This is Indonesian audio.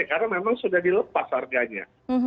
karena memang sudah dilepas harganya